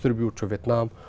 đối phương với hà nội